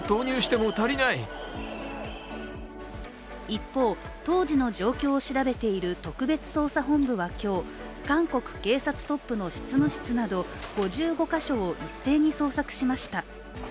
一方、当時の状況を調べている特別捜査本部は今日韓国警察トップの執務室など５５か所を一斉に捜索しました。